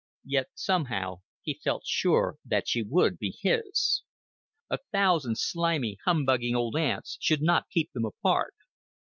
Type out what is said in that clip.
Yet somehow he felt sure that she would be his. A thousand slimy, humbugging old aunts should not keep them apart.